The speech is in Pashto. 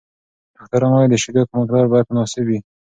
ډاکټران وايي، د شیدو مقدار باید مناسب وي.